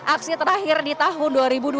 aksi terakhir di tahun dua ribu dua puluh